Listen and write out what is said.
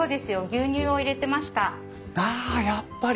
ああやっぱり。